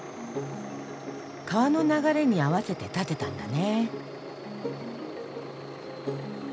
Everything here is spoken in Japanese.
川の流れに合わせて建てたんだね。